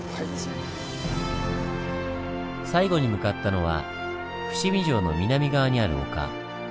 最後に向かったのは伏見城の南側にある丘。